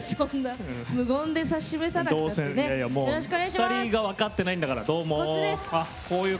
２人が分かってないんだから。